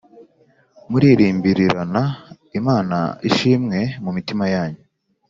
muririmbirirana Imana ishimwe mu mitima yanyu